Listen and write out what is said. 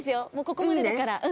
ここまでだから。